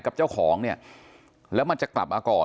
กับเจ้าของเนี่ยแล้วมันจะกลับมาก่อน